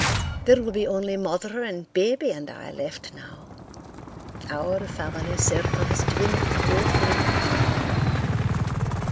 There will be only Mother and Baby and I left now. Our family circle has dwindled woefully."